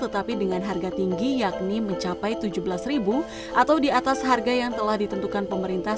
tetapi dengan harga tinggi yakni mencapai tujuh belas atau di atas harga yang telah ditentukan pemerintah